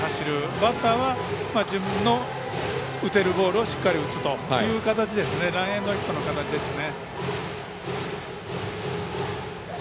バッターは自分の打てるボールをしっかり打つという形でランエンドヒットの形ですね。